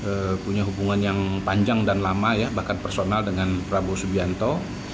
beliau punya hubungan yang panjang dan lama ya bahkan personal dengan prabowo subianto